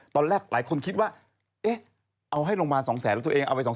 ตอนแรกหลายคนคิดว่าเอาให้โรงพยาบาล๒๐๐๐๐๐แล้วตัวเองเอาไป๒๐๐๐๐๐